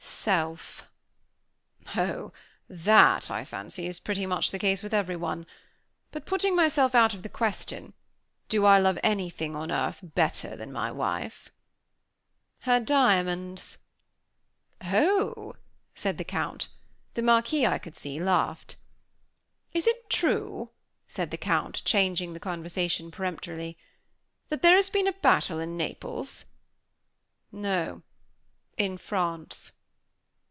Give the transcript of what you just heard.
"Self." "Oh! That I fancy is pretty much the case with everyone. But, putting myself out of the question, do I love anything on earth better than my wife?" "Her diamonds." "Oh!" said the Count. The Marquis, I could see, laughed. "Is it true," said the Count, changing the conversation peremptorily, "that there has been a battle in Naples?" "No; in France."